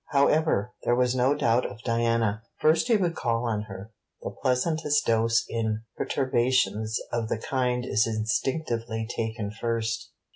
However, there was no doubt of Diana. First he would call on her. The pleasantest dose in perturbations of the kind is instinctively taken first.